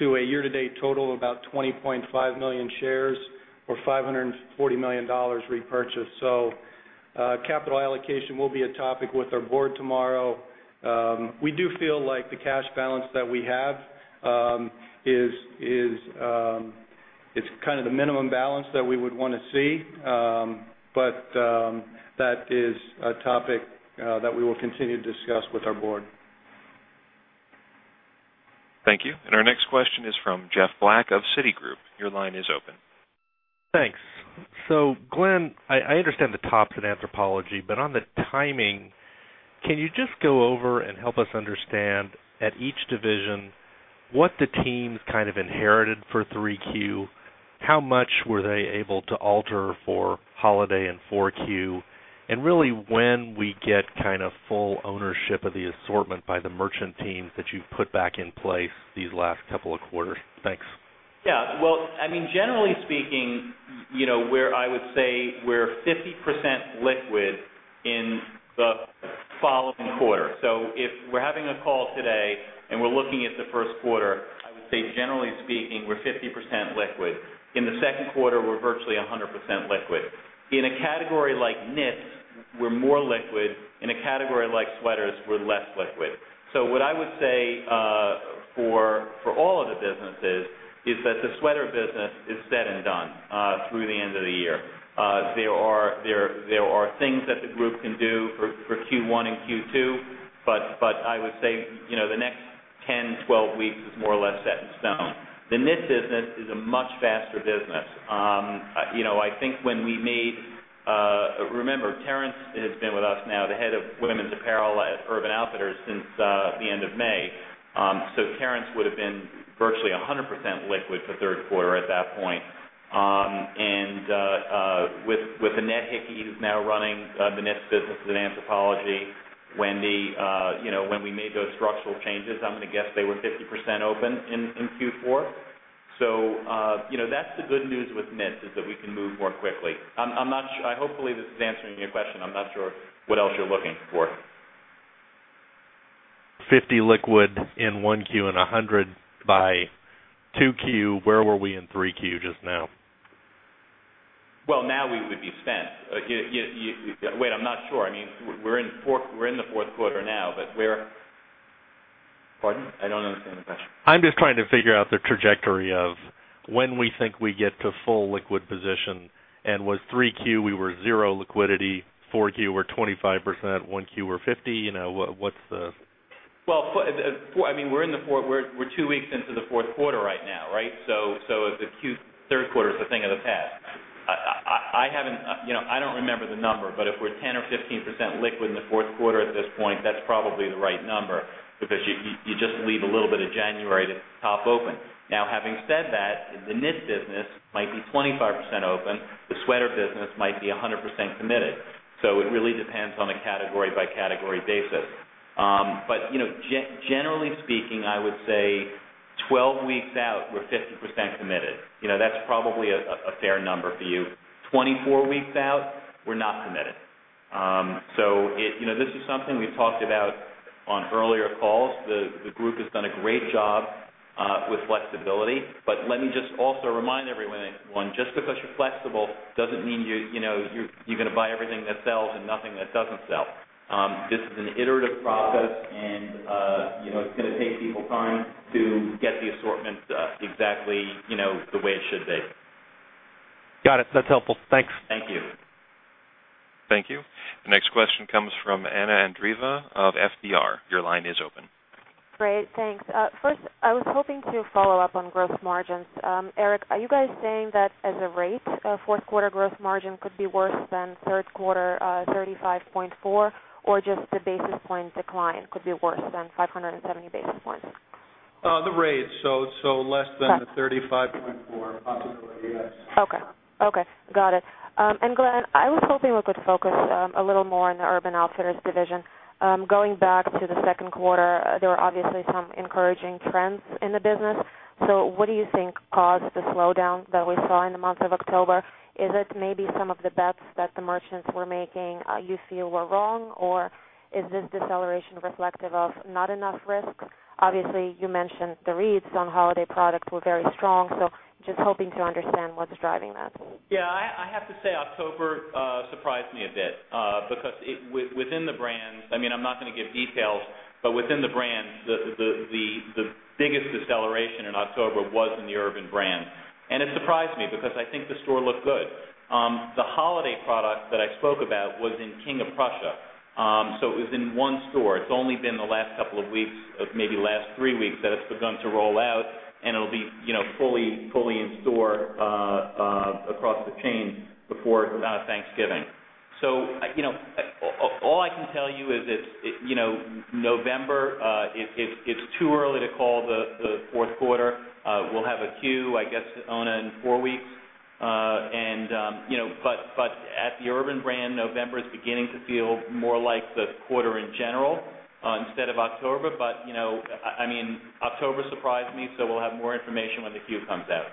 [SPEAKER 3] to a year-to-date total of about 20.5 million shares or $540 million repurchased. Capital allocation will be a topic with our board tomorrow. We do feel like the cash balance that we have is kind of the minimum balance that we would want to see. That is a topic that we will continue to discuss with our board.
[SPEAKER 1] Thank you. Our next question is from Jeff Black of Citigroup. Your line is open.
[SPEAKER 15] Thanks. Glen, I understand the tops in Anthropologie, but on the timing, can you just go over and help us understand at each division what the teams kind of inherited for 3Q, how much were they able to alter for holiday and 4Q, and really when we get kind of full ownership of the assortment by the merchant teams that you've put back in place these last couple of quarters? Thanks.
[SPEAKER 2] Yeah. I mean, generally speaking, I would say we're 50% liquid in the following quarter. If we're having a call today and we're looking at the first quarter, I would say, generally speaking, we're 50% liquid. In the second quarter, we're virtually 100% liquid. In a category like knits, we're more liquid. In a category like sweaters, we're less liquid. What I would say for all of the businesses is that the sweater business is said and done through the end of the year. There are things that the group can do for Q1 and Q2, but I would say the next 10, 12 weeks is more or less set in stone. The knit business is a much faster business. I think when we made, remember, Terrence has been with us now, the Head of Women's Apparel at Urban Outfitters since the end of May. Terrence would have been virtually 100% liquid for the third quarter at that point. With Annette Hickey, who's now running the knits business at Anthropologie, Wendy, when we made those structural changes, I'm going to guess they were 50% open in Q4. That's the good news with knits is that we can move more quickly. I'm not sure. I hopefully that's answering your question. I'm not sure what else you're looking for.
[SPEAKER 15] 50% liquid in 1Q and 100% by 2Q. Where were we in 3Q just now?
[SPEAKER 2] Now we would be spent. I'm not sure. I mean, we're in the fourth quarter now, but we're, pardon? I don't understand the question.
[SPEAKER 15] I'm just trying to figure out the trajectory of when we think we get to full liquid position. Was 3Q, we were zero liquidity, 4Q, we're 25%, 1Q, we're 50%? You know, what's the?
[SPEAKER 2] I mean, we're in the fourth, we're two weeks into the fourth quarter right now, right? The third quarter is a thing of the past. I haven't, you know, I don't remember the number, but if we're 10% or 15% liquid in the fourth quarter at this point, that's probably the right number because you just leave a little bit of January to top open. Now, having said that, the knit business might be 25% open. The sweater business might be 100% committed. It really depends on a category-by-category basis. Generally speaking, I would say 12 weeks out, we're 50% committed. That's probably a fair number for you. 24 weeks out, we're not committed. This is something we've talked about on earlier calls. The group has done a great job with flexibility. Let me just also remind everyone, just because you're flexible doesn't mean you're going to buy everything that sells and nothing that doesn't sell. This is an iterative process, and it's going to take people time to get the assortment exactly the way it should be.
[SPEAKER 15] Got it. That's helpful. Thanks.
[SPEAKER 2] Thank you.
[SPEAKER 1] Thank you. The next question comes from Anna Andreeva of FBR. Your line is open.
[SPEAKER 16] Great. Thanks. First, I was hoping to follow up on gross margins. Eric, are you guys saying that as a rate, a fourth quarter gross margin could be worse than third quarter 35.4% or just the basis point decline could be worse than 570 basis points?
[SPEAKER 2] The rate, less than the 35.4% optimally, yes.
[SPEAKER 16] Okay. Got it. Glen, I was hoping we could focus a little more on the Urban Outfitters division. Going back to the second quarter, there were obviously some encouraging trends in the business. What do you think caused the slowdown that we saw in the month of October? Is it maybe some of the bets that the merchants were making you feel were wrong, or is this deceleration reflective of not enough risk? You mentioned the reads. Some holiday products were very strong. Just hoping to understand what's driving that.
[SPEAKER 2] Yeah. I have to say October surprised me a bit because within the brands, I'm not going to give details, but within the brands, the biggest deceleration in October was in the Urban Outfitters brand. It surprised me because I think the store looked good. The holiday product that I spoke about was in King of Prussia. It was in one store. It's only been the last couple of weeks, maybe the last three weeks that it's begun to roll out, and it'll be fully in store across the chain before Thanksgiving. All I can tell you is it's November, it's too early to call the fourth quarter. We'll have a Q, I guess, to own in four weeks. At the Urban Outfitters brand, November is beginning to feel more like the quarter in general instead of October. October surprised me. We'll have more information when the Q comes out.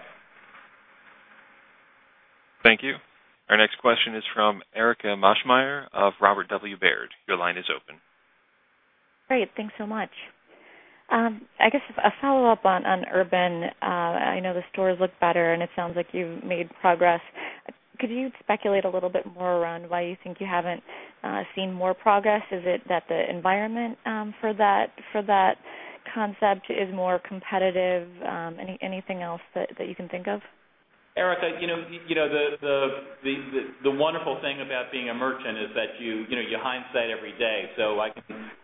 [SPEAKER 1] Thank you. Our next question is from Erika Maschmeyer of Robert W. Baird. Your line is open.
[SPEAKER 17] Great. Thanks so much. I guess a follow-up on Urban. I know the stores look better, and it sounds like you've made progress. Could you speculate a little bit more around why you think you haven't seen more progress? Is it that the environment for that concept is more competitive? Anything else that you can think of?
[SPEAKER 2] Erika, you know, the wonderful thing about being a merchant is that you hindsight every day.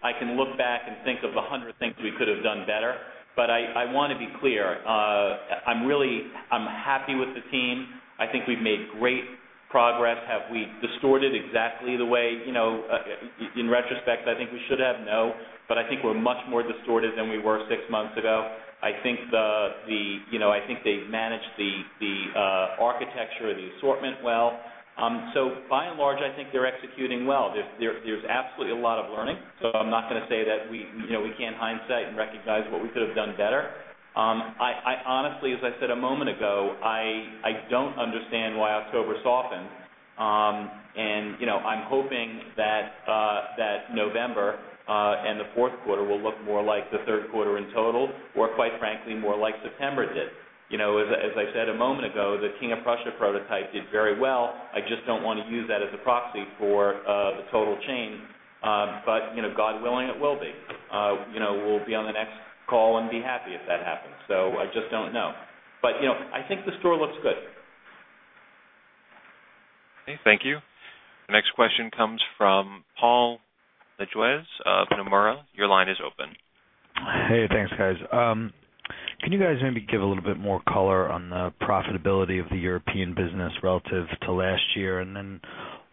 [SPEAKER 2] I can look back and think of 100 things we could have done better. I want to be clear. I'm really happy with the team. I think we've made great progress. Have we distorted exactly the way, in retrospect, I think we should have? No. I think we're much more distorted than we were six months ago. I think they've managed the architecture of the assortment well. By and large, I think they're executing well. There's absolutely a lot of learning. I'm not going to say that we can't hindsight and recognize what we could have done better. Honestly, as I said a moment ago, I don't understand why October softened. I'm hoping that November and the fourth quarter will look more like the third quarter in total, or quite frankly, more like September did. As I said a moment ago, the King of Prussia prototype did very well. I just don't want to use that as a proxy for the total chain. God willing, it will be. We'll be on the next call and be happy if that happens. I just don't know. I think the store looks good.
[SPEAKER 1] Okay. Thank you. The next question comes from Paul Lejuez of Nomura. Your line is open.
[SPEAKER 18] Hey, thanks, guys. Can you guys maybe give a little bit more color on the profitability of the European business relative to last year?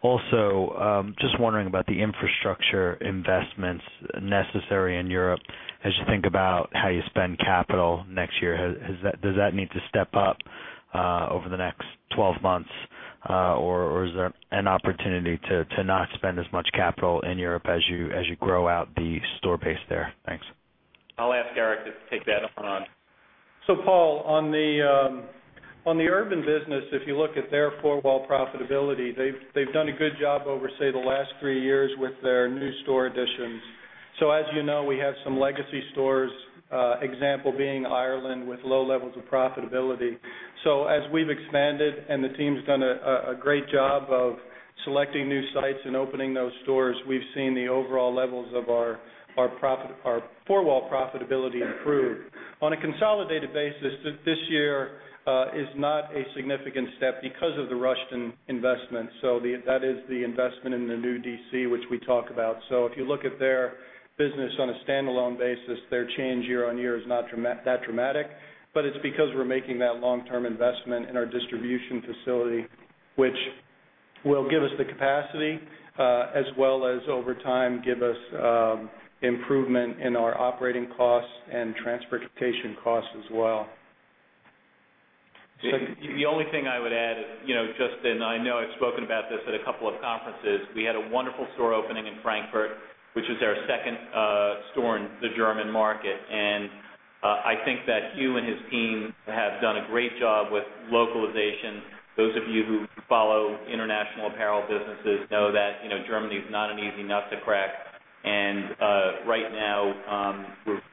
[SPEAKER 18] Also, just wondering about the infrastructure investments necessary in Europe as you think about how you spend capital next year. Does that need to step up over the next 12 months, or is there an opportunity to not spend as much capital in Europe as you grow out the store base there? Thanks.
[SPEAKER 2] I'll ask Eric to take that on.
[SPEAKER 3] Paul, on the Urban Outfitters business, if you look at their four-wall profitability, they've done a good job over, say, the last three years with their new store additions. As you know, we have some legacy stores, example being Ireland, with low levels of profitability. As we've expanded and the team's done a great job of selecting new sites and opening those stores, we've seen the overall levels of our four-wall profitability improve. On a consolidated basis, this year is not a significant step because of the Rustin investment. That is the investment in the new DC, which we talk about. If you look at their business on a standalone basis, their change year on year is not that dramatic. It's because we're making that long-term investment in our distribution facility, which will give us the capacity, as well as over time give us improvement in our operating costs and transportation costs as well.
[SPEAKER 2] The only thing I would add is, just in, I know I've spoken about this at a couple of conferences. We had a wonderful store opening in Frankfurt, which is our second store in the German market. I think that Hugh and his team have done a great job with localization. Those of you who follow international apparel businesses know that Germany is not an easy nut to crack. Right now,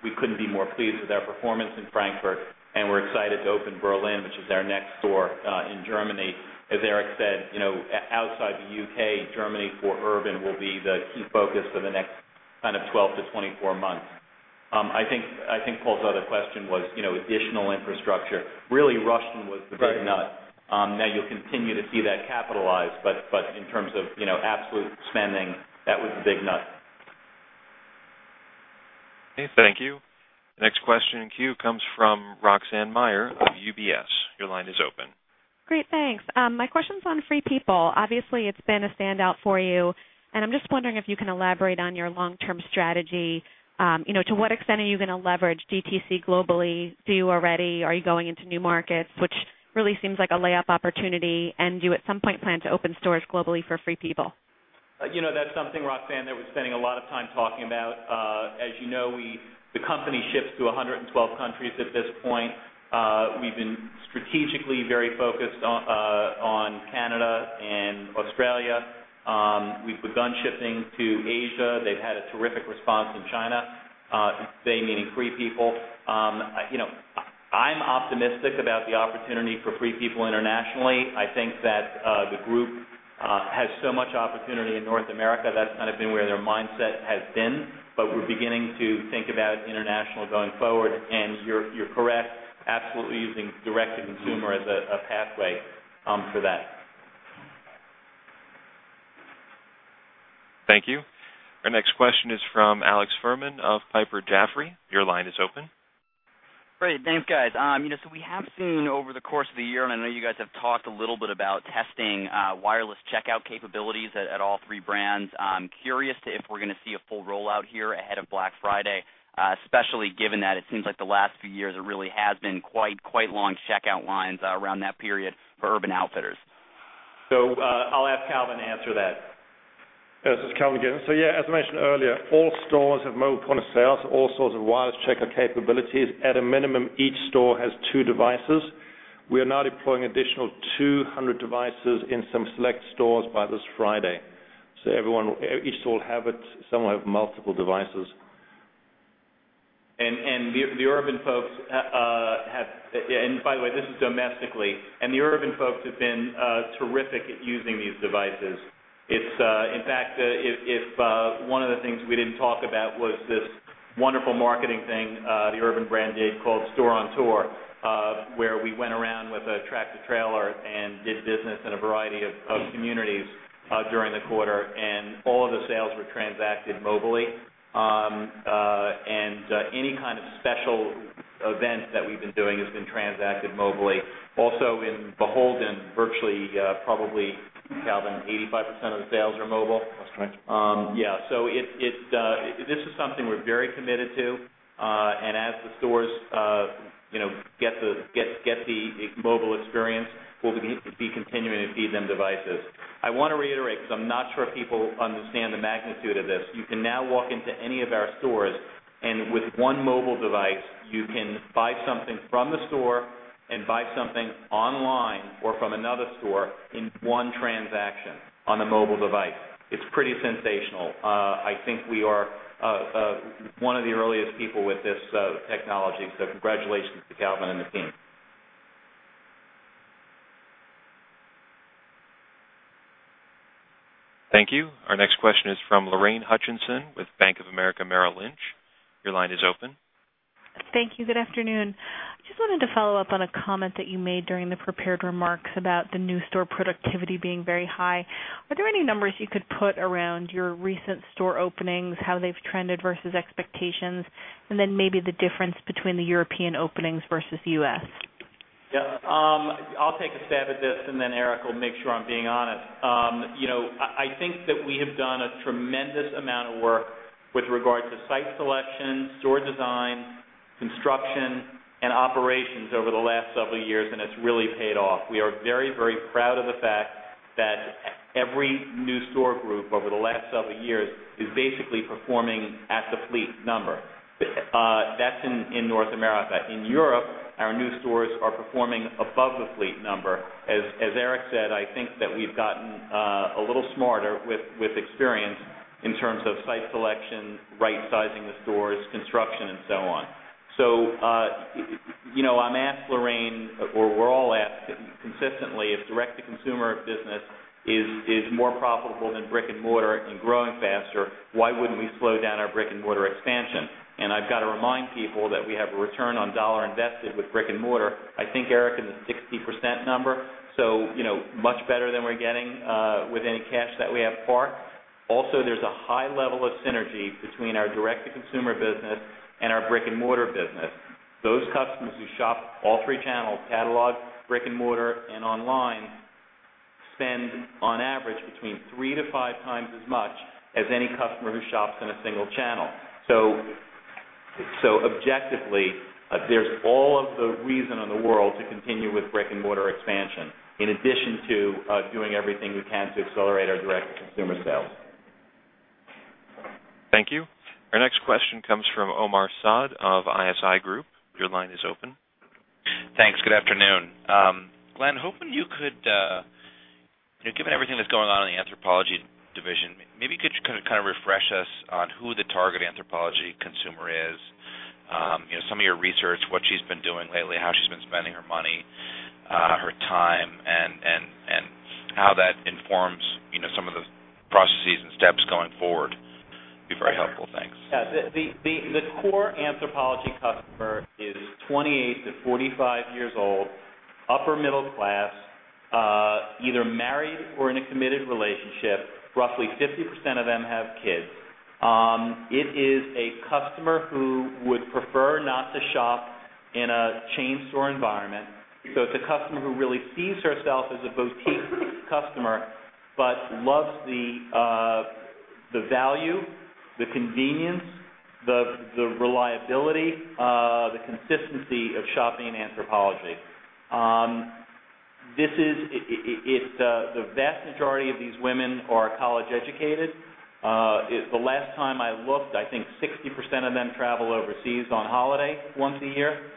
[SPEAKER 2] we couldn't be more pleased with our performance in Frankfurt. We're excited to open Berlin, which is our next store in Germany. As Eric said, outside the U.K., Germany for Urban will be the key focus for the next kind of 12 months-24 months. I think Paul's other question was additional infrastructure. Really, Rustin was the big nut. Now you'll continue to see that capitalized, but in terms of absolute spending, that was the big one.
[SPEAKER 1] Okay. Thank you. Next question in queue comes from Roxanne Meyer of UBS. Your line is open.
[SPEAKER 19] Great. Thanks. My question is on Free People. Obviously, it's been a standout for you. I'm just wondering if you can elaborate on your long-term strategy. To what extent are you going to leverage direct-to-consumer globally? Do you already? Are you going into new markets, which really seems like a lay-up opportunity? Do you at some point plan to open stores globally for Free People?
[SPEAKER 2] That's something Roxanne was spending a lot of time talking about. As you know, the company ships to 112 countries at this point. We've been strategically very focused on Canada and Australia. We've begun shipping to Asia. They've had a terrific response in China, they meaning Free People. I'm optimistic about the opportunity for Free People internationally. I think that the group has so much opportunity in North America. That's kind of been where their mindset has been. We're beginning to think about international going forward. You're correct, absolutely using direct-to-consumer as a pathway for that.
[SPEAKER 1] Thank you. Our next question is from Alex Fuhrman of Piper Jaffray. Your line is open.
[SPEAKER 20] Great. Thanks, guys. You know, we have seen over the course of the year, and I know you guys have talked a little bit about testing wireless checkout capabilities at all three brands. I'm curious if we're going to see a full rollout here ahead of Black Friday, especially given that it seems like the last few years it really has been quite, quite long checkout lines around that period for Urban Outfitters.
[SPEAKER 2] I'll ask Calvin to answer that.
[SPEAKER 5] This is Calvin again. As I mentioned earlier, all stores have mobile point-of-sale, so all stores have wireless checkout capabilities. At a minimum, each store has two devices. We are now deploying an additional 200 devices in some select stores by this Friday. Each store will have it, and some will have multiple devices.
[SPEAKER 2] The Urban folks have, by the way, this is domestically, and the Urban folks have been terrific at using these devices. In fact, if one of the things we didn't talk about was this wonderful marketing thing the Urban brand did called Store on Tour, where we went around with a tractor trailer and did business in a variety of communities during the quarter. All of the sales were transacted mobilely. Any kind of special event that we've been doing has been transacted mobilely. Also, in Beholden, virtually, probably, Calvin, 85% of the sales are mobile.
[SPEAKER 5] That's correct.
[SPEAKER 2] Yeah. This is something we're very committed to. As the stores get the mobile experience, we'll be continuing to feed them devices. I want to reiterate because I'm not sure people understand the magnitude of this. You can now walk into any of our stores, and with one mobile device, you can buy something from the store and buy something online or from another store in one transaction on a mobile device. It's pretty sensational. I think we are one of the earliest people with this technology. Congratulations to Calvin and the team.
[SPEAKER 1] Thank you. Our next question is from Lorraine Hutchinson with Bank of America Merrill Lynch. Your line is open.
[SPEAKER 21] Thank you. Good afternoon. I just wanted to follow up on a comment that you made during the prepared remarks about the new store productivity being very high. Are there any numbers you could put around your recent store openings, how they've trended versus expectations, and maybe the difference between the European openings versus the U.S.?
[SPEAKER 2] Yeah. I'll take a stab at this, and then Eric will make sure I'm being honest. I think that we have done a tremendous amount of work with regard to site selection, store design, construction, and operations over the last several years, and it's really paid off. We are very, very proud of the fact that every new store group over the last several years is basically performing at the fleet number. That's in North America. In Europe, our new stores are performing above the fleet number. As Eric said, I think that we've gotten a little smarter with experience in terms of site selection, right-sizing the stores, construction, and so on. I'm asked, Lorraine, or we're all asked consistently, if direct-to-consumer business is more profitable than brick-and-mortar and growing faster, why wouldn't we slow down our brick-and-mortar expansion? I've got to remind people that we have a return on dollar invested with brick-and-mortar, I think, Eric, in the 60% number. Much better than we're getting with any cash that we have far. Also, there's a high level of synergy between our direct-to-consumer business and our brick-and-mortar business. Those customers who shop all three channels, catalog, brick-and-mortar, and online, spend on average between three to five times as much as any customer who shops in a single channel. Objectively, there's all of the reason in the world to continue with brick-and-mortar expansion, in addition to doing everything we can to accelerate our direct-to-consumer sales.
[SPEAKER 1] Thank you. Our next question comes from Omar Saad of ISI Group. Your line is open.
[SPEAKER 22] Thanks. Good afternoon. Glen, hoping you could, given everything that's going on in the Anthropologie division, maybe you could refresh us on who the target Anthropologie consumer is, some of your research, what she's been doing lately, how she's been spending her money, her time, and how that informs some of the processes and steps going forward. Be very helpful. Thanks.
[SPEAKER 2] Yeah. The core Anthropologie customer is 28-45 years old, upper middle class, either married or in a committed relationship. Roughly 50% of them have kids. It is a customer who would prefer not to shop in a chain store environment. It is a customer who really sees herself as a boutique customer but loves the value, the convenience, the reliability, the consistency of shopping in Anthropologie. The vast majority of these women are college-educated. The last time I looked, I think 60% of them travel overseas on holiday once a year.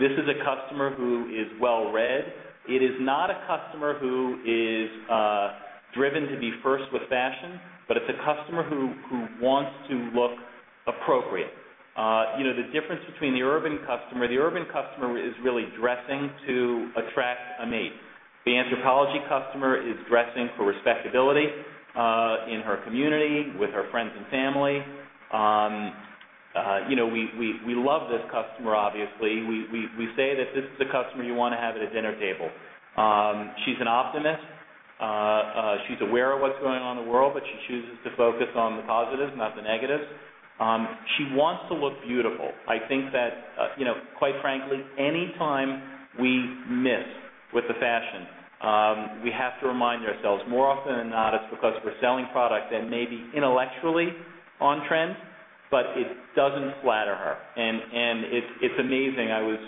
[SPEAKER 2] This is a customer who is well-read. It is not a customer who is driven to be first with fashion, but it is a customer who wants to look appropriate. You know, the difference between the Urban Outfitters customer, the Urban Outfitters customer is really dressing to attract a mate. The Anthropologie customer is dressing for respectability in her community with her friends and family. We love this customer, obviously. We say that this is the customer you want to have at a dinner table. She's an optimist. She's aware of what's going on in the world, but she chooses to focus on the positives, not the negatives. She wants to look beautiful. I think that, you know, quite frankly, any time we miss with the fashion, we have to remind ourselves, more often than not, it's because we're selling products that may be intellectually on trend, but it doesn't flatter her. It's amazing. I was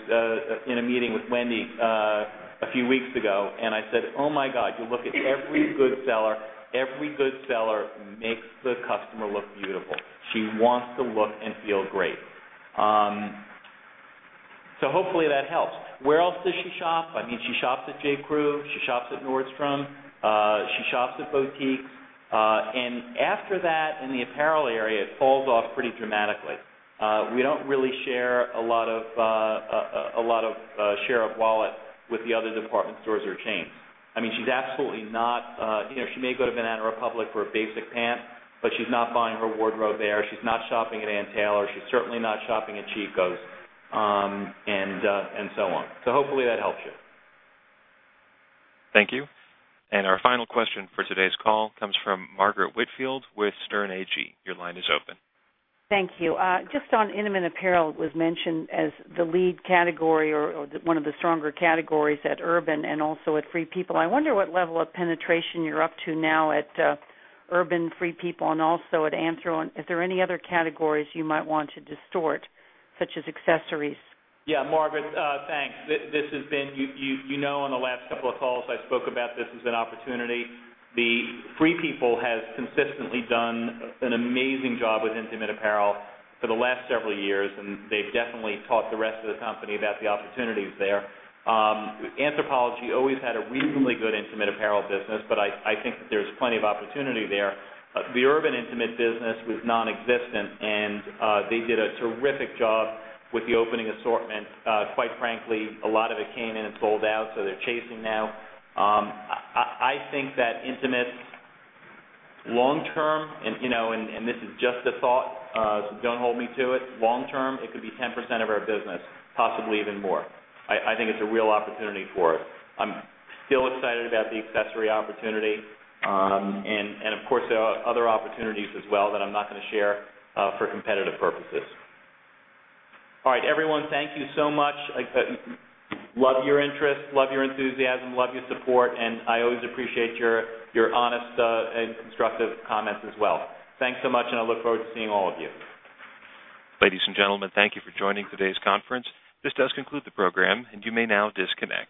[SPEAKER 2] in a meeting with Wendy a few weeks ago, and I said, "Oh my God, you look at every good seller. Every good seller makes the customer look beautiful. She wants to look and feel great." Hopefully that helps. Where else does she shop? I mean, she shops at J. Crew, she shops at Nordstrom, she shops at boutiques. After that, in the apparel area, it falls off pretty dramatically. We don't really share a lot of share of wallet with the other department stores or chains. I mean, she's absolutely not, you know, she may go to Banana Republic for a basic pant, but she's not buying her wardrobe there. She's not shopping at Ann Taylor. She's certainly not shopping at Chico's and so on. Hopefully that helps you.
[SPEAKER 1] Thank you. Our final question for today's call comes from Margaret Whitfield with Sterne Agee. Your line is open.
[SPEAKER 23] Thank you. Just on intimate apparel, it was mentioned as the lead category or one of the stronger categories at Urban Outfitters and also at Free People. I wonder what level of penetration you're up to now at Urban Outfitters, Free People, and also at Anthropologie. Is there any other categories you might want to distort, such as accessories?
[SPEAKER 2] Yeah, Margaret, thanks. This has been, you know, on the last couple of calls I spoke about, this has been an opportunity. Free People has consistently done an amazing job with intimate apparel for the last several years, and they've definitely taught the rest of the company about the opportunities there. Anthropologie always had a reasonably good intimate apparel business, but I think that there's plenty of opportunity there. The Urban intimate business was nonexistent, and they did a terrific job with the opening assortment. Quite frankly, a lot of it came in and sold out, so they're chasing now. I think that intimate long-term, and you know, and this is just a thought, don't hold me to it, long-term, it could be 10% of our business, possibly even more. I think it's a real opportunity for us. I'm still excited about the accessory opportunity. Of course, there are other opportunities as well that I'm not going to share for competitive purposes. All right, everyone, thank you so much. Love your interest, love your enthusiasm, love your support, and I always appreciate your honest and constructive comments as well. Thanks so much, and I look forward to seeing all of you.
[SPEAKER 1] Ladies and gentlemen, thank you for joining today's conference. This does conclude the program, and you may now disconnect.